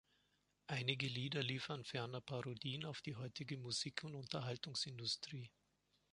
Einige Lieder liefern ferner Parodien auf die heutige Musik- und Unterhaltungsindustrie.